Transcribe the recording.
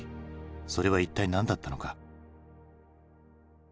それは一体何だったのか？